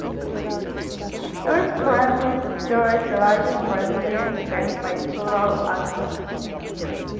It is currently the third largest Brazilian bank by total assets.